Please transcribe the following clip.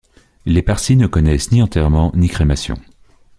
Les parsis ne connaissent ni enterrement ni crémation.